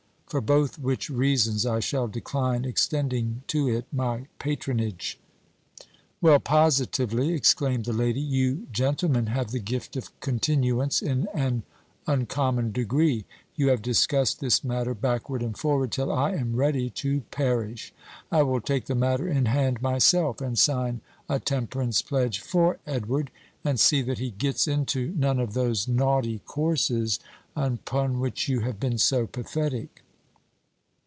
For both which reasons, I shall decline extending to it my patronage." "Well, positively," exclaimed the lady, "you gentlemen have the gift of continuance in an uncommon degree. You have discussed this matter backward and forward till I am ready to perish. I will take the matter in hand myself, and sign a temperance pledge for Edward, and see that he gets into none of those naughty courses upon which you have been so pathetic."